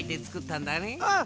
うん。